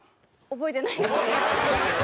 覚えてないんだ。